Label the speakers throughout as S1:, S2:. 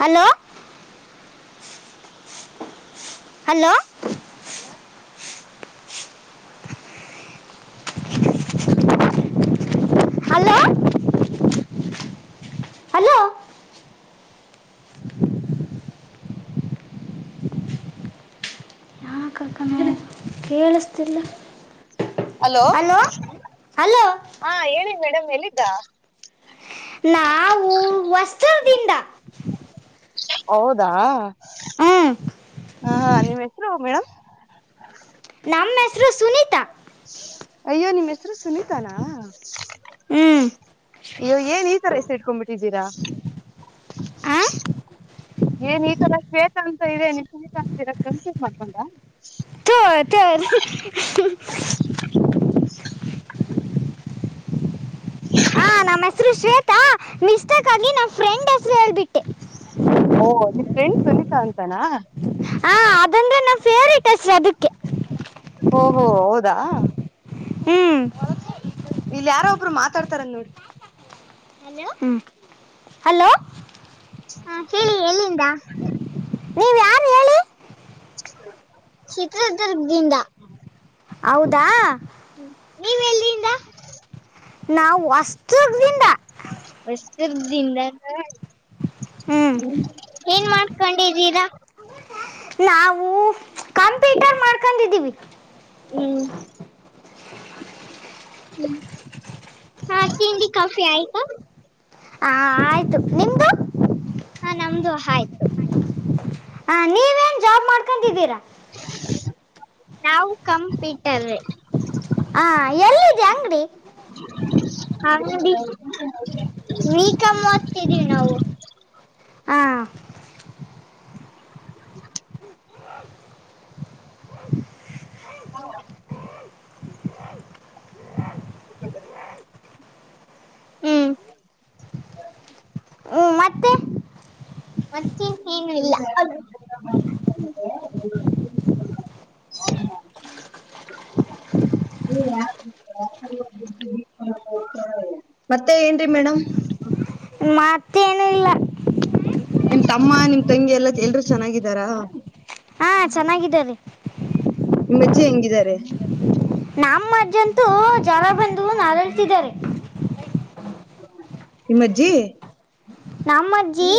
S1: Hello hello hello hello ಕಕ ಕೇಳಿಸ [unintelligible]
S2: hello
S1: hello
S2: ಹ ಹೇಳಿ ಮೇಡಮ್ ಎಲ್ಲಿ ದಾ
S1: ನಾವು ವಸ್ತ್ರದಿಂದ
S2: ಹೌದಾ
S1: ಹ್ಮ್
S2: ಹ ಹಾ ನಿಮ್ಮ್ ಹೆಸರು ಮೇಡಮ್
S1: ನಾಮ ಮಸರು ಸುನಿತಾ
S2: ಅಯ್ಯೋ ನಿಮ್ಮ್ ಹೆಸರು ಸುನೀತಾನ
S1: ಹ್ಮ್
S2: ಅಯ್ಯೋ ಏನ್ ಈ ತರ ಎಸ ಇಟ್ಕೊಬಿಟ್ಟಿದ್ದೀರಾ
S1: ಹ
S2: ಏನ್ ಈ ತರ ಶ್ವೇತ [unintelligible] ಅಂತ ಇದೆೇ ನೀ ಶ್ವೇತ ಅಂತ ಇರ ಕನ್ಫ್ಯೂಸ್ ಮಾಡ್ಕೊಂಡ
S1: ಥೋ, ಥೋ. ಹ ನಮ್ಮ್ ಹೆಸರು ಶ್ವೇತಾ ನಿಷ್ಟ್ಕ ಅಲ್ಲಿ ನಮ್ಮ ಫ್ರೆಂಡ್ ಹೆಸರು ಹೇಳ್ಬಿು [unintelligible]
S2: ಓ ನಿಮ ಫ್ರೆಂಡ್ ಸುನಿತಾ ಅಂತ
S1: ಆ ಅದಂದ್ರೆ ನಮ್ಮ ಫೇವ್ರೇಟ್ ಹೆಸರು ಅದಕ್ಕೆ
S2: ಓಹೋ ಹೌದಾ
S1: ಹ್ಮ್
S2: ಇಲ್ಲ ಯಾರೋ ಒಬ್ರು ಮಾತಾಡ್ತಾರ ನೋಡಿ
S1: ಹ್ಮ ಹಲೋ
S2: ಹಾ ಹೇಳಿ ಎಲ್ಲಿಂದ
S1: ನೀವ ಯರು ಹೇಳಿ
S2: ಚಿತ್ರದುರ್ಗದಿಂದ
S1: ಹೌದಾ
S2: ಹ್ಮ ನೀವೆ ಎಲ್ಲಿಂದ
S1: ನಾವು ವಸ್ದನಿಂದ
S2: ತಿರ್ದ
S1: ಹ್ಮ್
S2: ಏನ್ ಮಾಡ ಕೊಂಡಿದೀರಾ
S1: ನಾವು ದ್ದಿವಿ
S2: ಹ್ಮ್ ತಿಂಡಿ ಕಾಫಿ ಆಯ್ತಾ
S1: ಹಾ ಆಯ್ತು ನಿಮ್ದು
S2: ಹಾ ನಮ್ದುಹ ಆಯ್ತು
S1: ಹ ನೀವೇನ್ ಜಾಬ್ ಮಾಡ್ಕೊಂಡಿದ್ದೀರಾ
S2: ನಾ ಕಂಪೀಟರ್
S1: ಹಾ ಎಲ್ಲಿದೆ ಅಂಗಡಿ
S2: ನೀ ವೀಕಮ್ಮತಿದೀವಿ ನಾವು
S1: ಹಾ
S2: ಹೌ ಹ್ಮ್
S1: ಮತ್ತೆ
S2: ಮತ್ತೆ ಏನು ಇಲ್ಲ ಹ್ಮ ಹ ಮತ್ತೆ ಏನ್ರಿ ಮೇಡಮ್
S1: ಮತ್ತೇ ಏನು ಇಲ್ಲ
S2: ನಿಮ ತಮ್ಮ ನಿಮ್ ತಂಗಿ ಎಲ್ಲ ಎಲ್ರೂ ಚೆನ್ನಾಗಿದ್ದಾರಾ
S1: ಹಾ ಚೆನ್ನಾಗಿದ್ದ ರೀ
S2: ನಿಮ್ಮಜ್ಜಹೆಂಗಿದ್ದಾರೆ
S1: ನಮ್ಮ ಅಜ್ಜಿ ಅಂತೂ ಜ್
S2: ನಿಮ್ಮಜ್ಜಿ
S1: ನಮ್ಮ ಅಜ್ಜಿ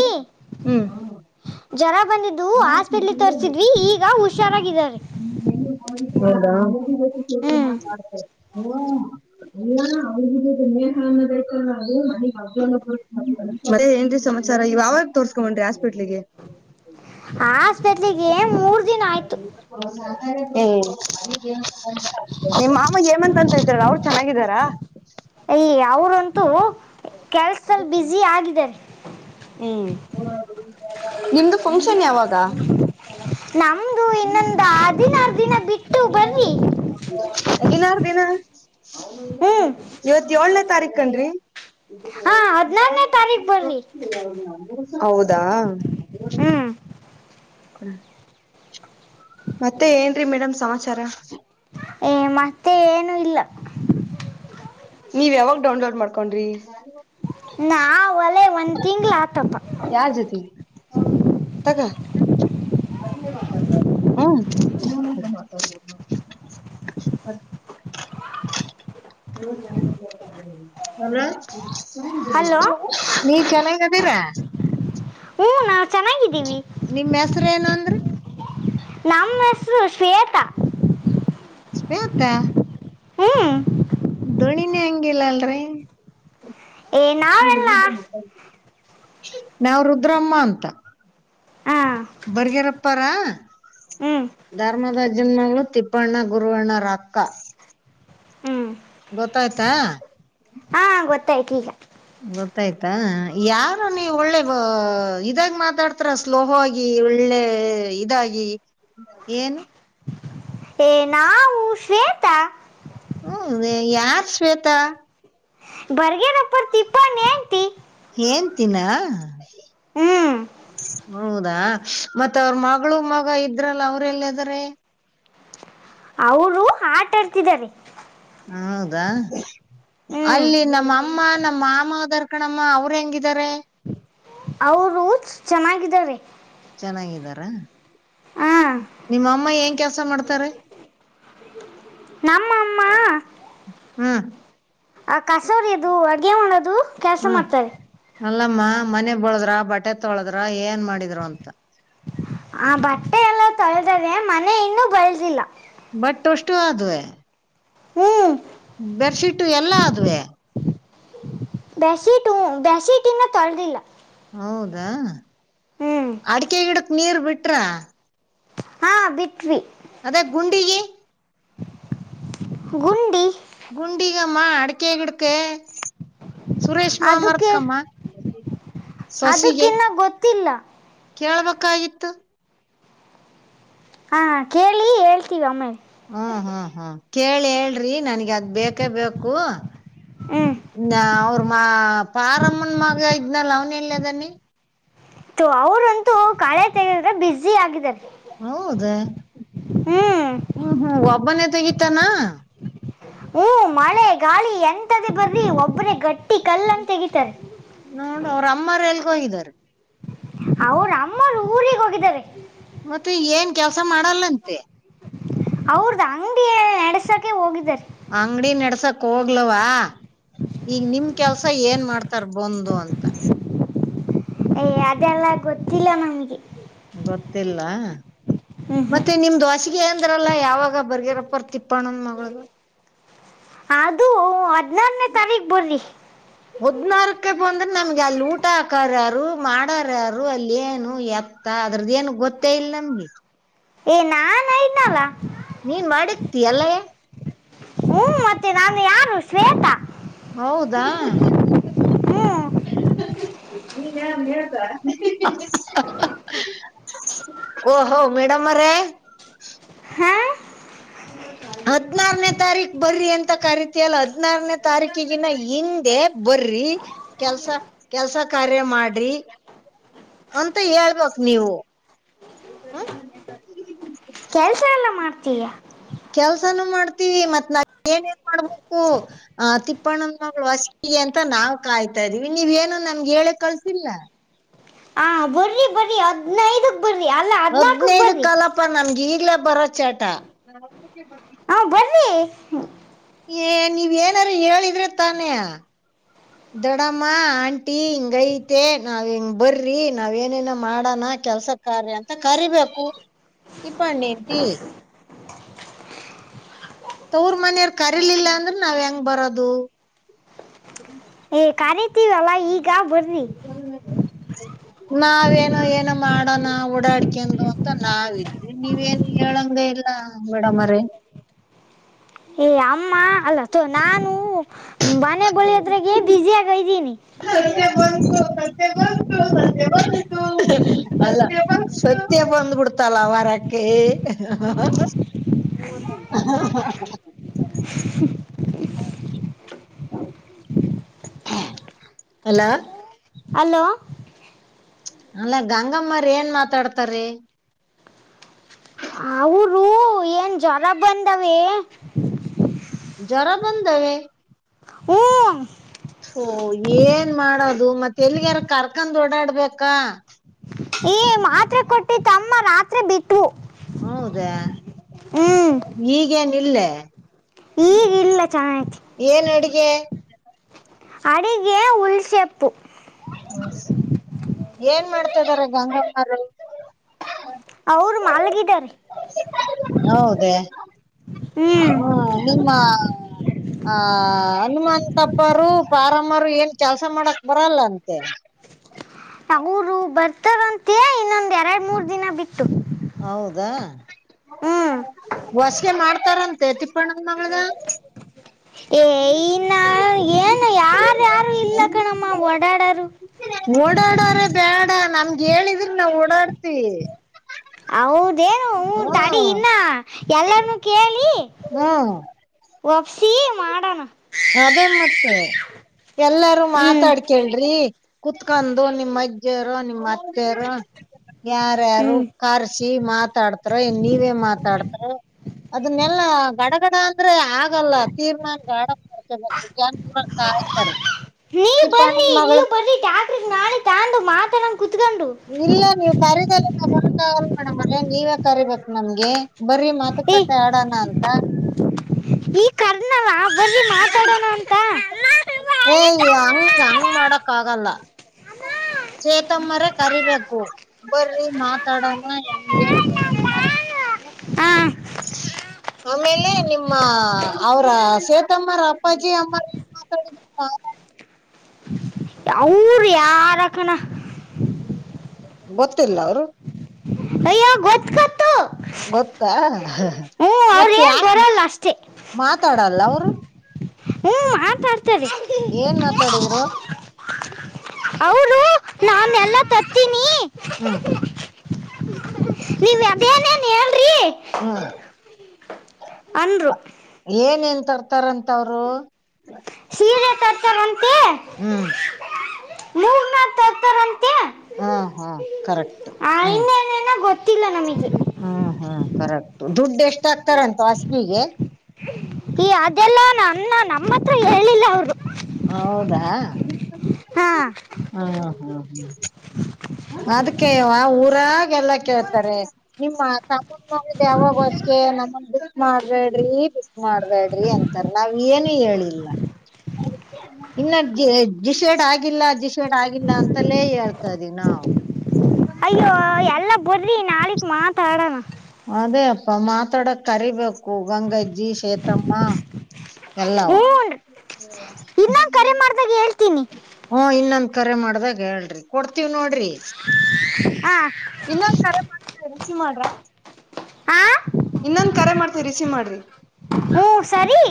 S1: ಜರ ಜರ ಬಂದಿದ್ದು ಹಾಸ್ಪಿಟ್ಲ್ ತೋರ್ರಿಸಿದ್ವಿ ಈಗ ಹುಷಾರ ಹ್ಮ್
S2: ಓ ಎಲ್ಲೇ ಹ ಬತಲ್ಲ ಅದು ನನಗ್ ಹ ಕೊಡ್ತ ಅದೇ ಏನ್ರೀ ಸಮಾಚಾರ ಯವಾವಾಗ ತೋರ್ಸ್ಕೊಂಡ್ರಿ ಆಸ್ಪಿಟ್ಲಿಗೆ
S1: ಆಸ್ಪೆತ್ಗೆ ಮೂರ್ ದಿನ ಆಯ್ತು
S2: ಹ್ಮ್ ನಿಮ್ಮ ಮಾಮಗ ಹೇಮಂತ್ ಇದ್ರಲ್ಲ ಅವ್ರು ಚೆನ್ನಾಗಿದಾರಾ
S1: ಯ ಅವ್ರಂತೂ ಕೆಲ್ಸದಲ್ಲಿ ಬ್ಯಸಿ ಆಗಿದ್ದಾರೆ
S2: ಹ್ಮ್ ನಿಮ್ದು ಫಂಕ್ಷನ್ ಯಾವಾಗ
S1: ನಮ್ದು ಇನ್ನೊಂದು ಹದಿನಾರು ದಿನ ಬಿಟ್ಟು ಬರಿ
S2: ಹದಿನಾರು ದಿನ
S1: ಹ್ಮ್
S2: ಇವತ್ತ ಏಳ್ನೇ ತಾರೀಖ ಕಂಡ್ರಿ
S1: ಹಾ ಹದಿನಾರನೇ ತಾರೀಕು ಬರ್ರಿ
S2: ಹೌದಾ
S1: ಹ್ಮ್
S2: ಹ್ಮ ಮತ್ತೆ ಏನ ರಿ ಮೇಡಮ್ ಸಮಾಚಾರ
S1: ಏ ಮತ್ತೆ ಏನು ಇಲ್ಲ
S2: ನೀವ್ ಯಾವಾಗ ಡೌನ್ಲೋಡ್ ಮಾಡ್ಕೊಂಡ್ರಿ
S1: ನಾ ಒಲೆ ಒಂದ್ ತಿಂಗಳ ಆತಪ್ಪ
S2: ಯಾರ್ ಜೊತಿ ಹ್ಮ ಹಲೋ
S1: ಹಲೋ
S2: ನೀವು ಚೆನ್ನಾಗಿದ್ದೀರಾ
S1: ಹ್ಞೂ ನಾವು ಚೆನ್ನಾಗಿದ್ದೀವಿ
S2: ನಿಮ್ಮ್ ಹೆಸರು ಏನ ಅಂದ್ರಿ
S1: ನಮ್ಮಸ್ು ಶ್ವೇತ
S2: ಪಂತ
S1: ಹ್ಮ್
S2: ೋಣಿನಿ ಹಂಗಿಲ್ಲ ಅಲ್ರಿ
S1: ಏ ನಾವೆಲ್ಲ
S2: ನಾವ್ ರುದ್ರಮ್ಮ ಅಂತ
S1: ಹಾಂ
S2: ಬರ್ಗ್ಯಾರಪ್ಪಾರಾ
S1: ಹ್ಞೂ
S2: ಧರ್ಮದ ಜನ್ಮಗಳು ತಿಪ್ಪಣ್ಣ ಗುರುವಣ್ಣ ರಕ್ಕ ಗೊತ್ತಾಯ್ತಾ
S1: ಹಾ ಗೊತ್ತಾಯ್ತು ಈಗ
S2: ಗೊತ್ತಾಯ್ತಾ ಯಾರು ನೀವು ಒಳ್ಳೆ ಇದಾಗ ಮಾತಾಡ್ತರಾ ಸ್ಲೋಹ ಆಗಿ ಒಳ್ಳೆ ಇದಾಗಿ ಏನು
S1: ಏ ನಾವು ಶ್ವೇತಾ
S2: ಹ್ಮ ಯಾರ್ ಶ್ವೇತಾ
S1: ಬರ್ಗನ ಪಡ್ತಿಪ್ಪನ್ ಆಟ
S2: ಏನ್ಂತಿನ
S1: ಹ್ಞೂ
S2: ಹೌದಾ ಮತ್ತ ಅವ್ರ ಮಗಳು ಮಗ ಇದ್ರಲ್ಲ ಅವ್ರಲ್ಲದಾರೆ
S1: ಅವರು ಆಟ ಆಡ್ತಿದ್ದಾರೆ
S2: ಹೌದಾ
S1: ಹ್ಞೂ
S2: ಅಲ್ಲಿ ನಮ್ಮಅಮ್ಮ ನಮ್ಮ ಮಾಮ ದರ್ಕಣಮ್ಮ ಅವ್ರ ಹೆಂಗಿದ
S1: ಅವರು ಚೆನ್ನಾಗಿದ್ದಾರೆ
S2: ಚೆನ್ನಾಗಿದ್ದಾರಾ
S1: ಹಾ
S2: ನಿಮ್ಮ ಅಮ್ಮ ಏನ್ ಕೆಲ್ಸ ಮಾಡ್ತಾರೆ
S1: ಮ್ಮ
S2: ಹ್ಮ್
S1: ಆ ಕಸೋರಿ ಅದು ಅಡ್ಗೆ ಮಾಡೋದು ಕೆಲ್ಸ
S2: ಹ್ಮ್
S1: ಮತ್ತೆ
S2: ಅಲ್ಲಮ್ಮ ಮನೆ ಬೊಳದ್ರ ಬಟ್ಟೆ ತೊಳದ್ರ ಏನ್ ಮಾಡಿದ್ರು ಅಂತ
S1: ಆ ಬಟ್ಟೆ ಎಲ್ಲ ತೊಳೆದದೆ ಮನೆ ಇನ್ನೂ ಬೆಳೆದಿಲ್ಲ
S2: ಬಟ್ ಅಷ್ಟು ಆದುವ
S1: ಹ್ಮ್
S2: ಬೆಡ್ಶೀಟ ಎಲ್ಲಾ ಅದುವೇ
S1: ಬಸಿಟು ಬಸಿಟನ್ನ ತೊಳದಿಲ್ಲ
S2: ಹೌದಾ ಅಡಿಕೆ ಗಿಡಕ್ ನೀರ್ ಬಿಟ್ರ
S1: ಹಾ ಬಿಟ್ವಿ
S2: ಅದೇ ಗುಂಡಿಗೆ
S1: ಗುಣಂಡಿ
S2: ಗಂಡಿಗಮ್ಮ ಅಡಕೇ ಗಡಕ್ಕ ಸುರೇಶ್್ಮ
S1: ಅದಕ್ಕೆ
S2: ಮರತಕಮ್ಮ ಸೊಸಿಗೆ
S1: ಅದಕ್ಕಿನ್ನ ಗೊತ್ತಿಲ್ಲ
S2: ಕೇಳ್ಬೇಕಾಗಿತ್ತು
S1: ಹಾ ಕೇಳಿ ಹೇಳ್ತೀವಿ ಒಮ್ಮೇ
S2: ಹ್ಮ್ ಹ್ಮ್ ಹ್ಮ್ ಕೇಳಿ ಹೇಳ್ರಿ ನನ್ಗ ಅದ್ ಬೇಕೇ ಬು
S1: ಹ್ಞೂ
S2: ನ ಅವ್ರ ಮಾ ಪಾರಮ್ಮನ್ ಮಗ ಇದ್ನ ಲ ಅವ್ನ ಇಲ್ಲದನ್ನಿ
S1: ಅವ್ರಂತೂ ಕಳೆ ತೆಗೆದ್ರೆ ಬುಸಿ ಆಗಿದ್ದಾರೆ
S2: ಹೌದ
S1: ಹ್ಞೂ
S2: ಹ್ಮ್ ಹ್ಮ್ ಒಬ್ಬನೇ ತೆಗಿತಾನ
S1: ಹ್ಮ ಮಳೆ ಗಾಳಿ ಎಂತದ ಬರ್ರಿ ಒಬ್ರ ಗಟ್ಟಿ ಕಲ್ಲನ್ನು ತೆಗಿತಾರೆ
S2: ನೋಡ್ ಅವ್ರ ಅಮ್ಮ ಎಲ್ಗ ಹೋಗಿದ್ದಾರೆ
S1: ಅವರು ಅಮ್ಮರು ಊರಿಗೆ ಹೋಗಿದ್ದಾರೆ
S2: ಮತ್ತೆ ಏನ್ ಕೆಲ್ಸ ಮಾಡಲ್ಲಂತೆ
S1: ಅವ್ರದ ಅಂಗಿಯ ನಡಸಕೆ ಹೋಗಿದ್ದಾರೆ
S2: ಅಂಗಡಿ ನೆಡ್ಸಕ್ ಹೋಗ್ಲವಾ ಈಗ ನಿಮ ಕೆಲ್ಸ ಏನ್ ಮಾಡ್ತಾರ ಬಂದು ಅಂತ
S1: ಯ ಅದೆಲ್ಲಾ ಗೊತ್ತಿಲ್ಲ ನಮ್ಗೆ.
S2: ಗೊತ್ತಿಲ್ಲ
S1: ಹ್ಞೂ ಹ್ಞೂ
S2: ಮತ್ತೆ ನಿಮ್ದ ವಾಸಿಗೆ ಏಂದ್ರಲ್ಲ ಯಾವಾಗ ಬರ್ಗಿರಪ್ಪರ್ ತಿಪ್ಪಣಂದ ಮಗಳ್ದ.
S1: ಅದು ಹದಿನಾರನೇ ತಾರೀಕ್ ಬರ್ರಿ.
S2: ಹದ್ನಾರಕ್ಕೆ ಬಂದ್ರ ನಮ್ಗೆ ಅಲ್ಲಿ ಊಟ ಹಾಕರ ಯಾರು ಮಾಡಾರ ಯಾರು ಅಲ್ಲಿ ಏನು ಎತ್ತ ಅದ್ರದ ಏನು ಗೊತ್ತೇ ಇಲ್ಲ. ಗೆ
S1: ಏ ನಾನ್ಯನಲ್ಲ.
S2: ನೀನ್ ಮಾದಡಿಕ್ತಿ ಅಲ್ಲ
S1: ಹ್ಮ ಮತ್ತೆ ನಾನು ಯಾರು ಶ್ವೇತಾ‌‌‌.
S2: ಹೌದಾ.
S1: ಹ್ಞೂ
S2: ನೀನ್ ಹೇಳ್ತ ಓ ಹ ಮೇಡಮ್ಮರೆ.
S1: ಹಾಂ
S2: [inaudible] ಹದ್ನಾರನೇ ತಾರೀಕ್ ಬರ್ರಿ ಅಂತ ಕರೀತ ಅಲ್ಲ ಹದ್ನಾರನೇ ತಾರೀಕಿಗಿನ ಹಿಂದೆ ಬರ್ರಿ ಕೆಲ್ಸ ಕೆಲ್ಸ ಕಾರ್ಯ ಮಾಡ್ರಿ ಅಂತ ಹೇಳ್ಬಕ್ ನೀವು.
S1: ಕೆಲಸ [unintelligible]
S2: ಕೆಲ್ಸಾನು ಮಾಡ್ತೀವಿ ಮತ್ ನಾ ಏನ್ ಏನ್ ಮಾಡ್ಬೇಕು ಆ ತಿಪ್ಪಣ್ಣನ್ ಮಗ್ಳ್ ವಸ್ಗೀ ಮತ್ತ ನಾವ್ ಕಾಯ್ತಾ ಇದ್ದೀವಿ ನೀವ ಏನು ನಮ್ಗೆ ಹೇಳೆ ಕಳ್ಸಿಲ್ಲ.
S1: ಹಾ ಬರ್ರಿ ಬರ್ರಿ ಹದ್ನೈದು
S2: ಹದ್ನೈದ ಕಲಪ ನಮ್ಗೆ ಈಗ್ಲೇ ಬರೋ ಚಟ.
S1: ಹ್ಮ.
S2: ಏ ನೀವೇಏನಾರ ಹೇಳಿದ್ರೆ ತಾನೇ. ದಡಮ್ಮ ಆಂಟಿ ಹಿಂಗಐತೆ ನಾವ್ ಹೆಂಗ್ ಬರ್ರಿ ನಾವ್ ಏನೇನ ಮಾಡನ. ಕೆಲ್ಸ ಕಾರ ಅಂತ ಕರಿಬೇಕು ಇಪ್ಪಣ್ಣಿಟಿ. ತವ್ರ ಮನೆಯರ್ ಕರಿಲಿಲ್ಲ ಅಂದ್ರ ನಾವ್ ಹೆಂಗ ಬರೋದು.
S1: ಏ ಕಾಣಿತೀವಲ್ಲ ಈಗ ಬರ್ರಿ.
S2: [inaudible] ನಾವೇನು ಏನ ಮಾಡೋಣ ಓಡಾಡ್ಿಕಂದು ಅಂತ ನಾವಿದ್ವಿ ನೀವ ನು ಹೇಳಂಗ. ಮೇಡಮರೆ.
S1: ಏ ಅಮ್ಮ ಅಲ್ಲ ತು ನಾನು ಬಾನೆ ಬಲೇಯೊದ್ರಗೆ ಬಿಜ಼ಿಯಗದಿನಿ.
S2: ಸತ್ಯ ಬಂತು ಸತ್ಯ ಬಂತು. ಅಲ್ಲ ಸತ್ಯ ಬಂದ್ಬಿಡ್ತಲ್ಲ ವರಕ್ಕೆ. [inaudible] ಅಲ್ಲ
S1: ಅಲೋ.
S2: ಅಲ್ಲಾ ಗಂಗಮ್ಮ್ರ ಏನ್ ಮಾತಾಡ್ತಾರೀ.
S1: ಅವರು ಏನ್ ಜ್ವರ ಬಂದಾವೇ.
S2: ಜರ ಬಂದವೆ.
S1: ಹೋ
S2: ತು ಏನ್ ಮಾಡೋದು ಮತ್ತೆ ಎಲ್ಲಿಗಾರ ಕರ್ಕೊಂಡ್ ಓಡಾಡ್ಬೇಕಾ.
S1: ಈ ಮಾತ್ರೆ ಕೊಟ್ಟಿತ್ ಅಮ್ಮ ರಾತ್ರಿ ಬಿಟ್ವು.
S2: ಹೌದಾ
S1: ಹ್ಮ್
S2: ಈಗೇನಿಲ್ಲೆ.
S1: ಈಗ ಇಲ್ಲ ಚೆನ್ನಾಗೈತಿ
S2: ಏನ್ ಅಡಗೆ.
S1: ಅಡಿಗೆ ಉಲ್ಸೆಪ್ಪು.
S2: ಹ ಏನ್ ಮಾಡ್ತಿದಾರ ಗಂಗಮ್ಮಾರು.
S1: ಅವರು ಮಾಲ್ಗಿಡಾರೆ.
S2: ಹ್ಮ ನಿಮ್ಮ ಆ ಹನುಮಂತಪ್ಪರು ಪಾರಮ್ಮರು ಏನ್ ಕೆಲ್ಸ ಮಾಡಕ್ ಬರಲ್ಲಂತ ತ್ತೆ.
S1: ಅವ್ರು ಬರ್ತಾರಂತೆ ಇನ್ನೊಂದ್ ಎರಡು ಮೂರ್ ದಿನ ಬಿ
S2: ಹೌದಾ
S1: ಹ್ಮ್
S2: ಹೊಸಿಗೆ ಮಾಡ್ತಾರಂತೆ ತಿಪ್ಪ [unintelligible]
S1: ಏ ಇನ್ನ ಏನು ಯಾರು ಯಾರು ಇಲ್ಲ ಕಣಮ್ಮ ಓಡಾಡೋರು
S2: ಓಡಾಡಾರೆ ಬ್ಯಾಡ ನಮಗೆ ಹೇಳಿದ್ರಿ ನಾವವು ಓಡಾಡ್ತಿವಿ
S1: ದೇನು ಹ ತಡಿ ಇನ್ನ ಎಲ್ಲನ್ನುೂ ಕೇಳಿ
S2: ಹ್ಮ
S1: ಒಪ್ಸಿ ಮಾಡೋಣ
S2: ಅದೇ ಮತ್ತೆ ಎಲ್ಲಾರೂ
S1: ಹ್ಮ್
S2: ಮಾತಾಡ್ಕೇಳ್ರಿ ಕುೂತ್ಕೊಂಡು ನಿಮ್ಮ ಅಜ್ಜಿ ಯಾರು ನಿಮ್ ಅತ್ತೆ ಯಾರು ಯಾರ್ಯಾರು
S1: ಹ್ಮ್
S2: ಕರ್ಸಿ ಮಾತಾಡ್ತಾರೋ ನೀವೇ ಮಾತಾಡ್ತಾರ ಅದನ್ನೆಲ್ಲ ಗಡ ಡ ಅಂದ್ರೆ ಆಗಲ್ಲ ತೀರ್ಮಾನ ಗಾಡ ಮಾಡ್ತ ಜರ ಕಾಯ್ತಾರೆ ಇಪ್ಪಣ ಮಳ
S1: ನಳೆ ತಾಂದು ಮಾತ್ರರಂ
S2: ಇಲ್ಲ ನೀವ್ ಕರೀದಲ್ಲ ನಾ ಬರಕ್ ಆಗಲ್ಲ ಮೇಡಮ್ ಅರೇ ನೀವೇ ಕರಿಬೇಕು ನಮ್ಗೆ ಬರಿ ಮಾತು
S1: ಏ
S2: ಕತೆ ಆಡೋಣ ಅಂತ
S1: ಈ ಕಾರ್ಧ್ನಲ್ಲ ಬನ್ನಿ ಮಾತಾಡೋಣ ಅಂತ
S2: ಏ ಹಂಗ ಹಂಗ ಮಾಡಕ್ ಆಗಲ್ಲ ಚೇತಮ್ಮರ ಕರಿಬೇಕು ಬರಿ ಮಾತಾಡೋಣ ಹೆಂಗೆ
S1: ಹ್ಮ
S2: ಆಮೇಲೆ ನಿಮ್ಮ ಅವ್ರ ಸೇತಮ್ಮ ಅಪ್ಪಾಜಿ ಅಮ್ಮರ ಏನ್ ಮಾತಾಡಿದರು
S1: ಅವ್ರು ಯಾರ ಕಣ
S2: ಗೊತ್ತಿಲ್ಲ ಅವರು
S1: ಅಯ್ಯೋ ಗೊತ್ತಾ
S2: ಗೊತ್ತಾ
S1: ಹ್ಞೂ
S2: ಮತ್ತೆ
S1: ಅವ್ರೇನ್
S2: ಯಾಕ್
S1: ಬರಲ್ಲ ಅಷ್ಟೇ
S2: ಮಾತಾಡಲ್ಲ ಅವರು
S1: ಹ್ಮ್ ಆತಾಡ್ತಾರೆ
S2: ಮಾತಾಡಿದ್ರು
S1: ಅವರು ನಾನ ಎಲ್ಲ ತರ್ತೀನಿ
S2: ಹ್ಮ್
S1: ನೀವು ಅದು ಹೆನ್ ಹೆನ್
S2: ಹ್ಮ್
S1: ಅಂದ್ರು
S2: ಏನ್ ಏನ್ ತರ್ತಾರಂತ ಅವರು
S1: ಸೀರೆ ತರ್ತಾರಂತೆ
S2: ಹ್ಮ್
S1: [unintelligible]
S2: ಹಾ ಹಾ ಕರೆಕ್ಟ್ ಹಾ
S1: ಇಲ್ಲ ನಮಗೆ
S2: ಹ್ಮ್ ಹ್ಮ್ ಕರೆಕ್ಟ್ ದುಡ್ಡು ಎಷ್ಟಾಗಕ್ತಾರಂತು ಹಸವಿಗೆ
S1: ಈ ಅದೆಲ್ಲ ನನ್ನ ನಮ್ಮ ಹತ್ರ ಹೇಳಿಲ್ಲ ಅವರು
S2: ಹೌದಾ
S1: ಹಾ
S2: ಹಾ ಹ್ಮ್ ಹ್ಮ್ ಅದಕ್ಕೆವ ಊರಾಗ ಎಲ್ಲ ಕೇಳ್ತಾರೆ ನಿಮ್ಮ ತಮ್ಮನ್ ಮಳ ಯಾವಾಗೋಸ್ಕ ನಮ್ಮ ಮಾಡ್ಬ್ಯಾಡ್ರಿ ಬಿಸ ಮಾಡ್ಬ್ಯಾಡ್ರಿ ಅಂತಾರ ನಾವ್ ಏನು ಹೇಳಿಲ್ಲ ಇನ್ನ ಜ ಜಿಶೇಡ್ ಆಗಿಲ್ಲ ಜಿಶೇಡ್ ಆಗಿಲ್ಲ ಅಂತಲೇ ಹೇಳ್ತದ ನಾವವು
S1: ಅಯ್ಯೋ ಎಲ್ಲ ಬರ್ಲಿ ನಾಳಕ್ ಮಾತಾಡೋಣ
S2: ಅದೇ ಅಪ್ಪ ಮಾತಾಡಕ್ ಕರಿಬೇಕ ಗಂಗಜ್ಜಿ ಸೇತಮ್ಮ ಎಲ್ಲಾವ
S1: ಹ್ಞೂ ಇನ್ನೊಂದು ಕರೆ ಮಾಡ್ದಾಗ ಹೇಳ್ತೀನಿ
S2: ಹ ಇನ್ನ ಕರೆ ಮಾಡ್ದಾಗ ಹೇಳ್ರಿ ಕೊಡ್ತೀವ್ ನೋಡ್ ರೀ
S1: ಹಾ
S2: ಇನ್ನೊಂದ್ ಕರೆ ಮಾಡ್ತನಿ ರಿಸೀವ್ ಮಾಡ್ರ
S1: ಹಾ
S2: ಇನ್ನೊಂದ್ ಕರೆ ಮಾಡ್ತೀವ್ ರಿಸಿವ್ ಮಾಡ್ರಿ
S1: ಹ್ಮ್ ಸರಿ